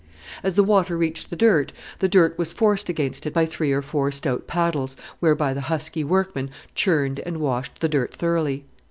As the water reached the dirt the dirt was forced against it by three or four stout paddles, whereby the husky workmen churned and washed the dirt thoroughly.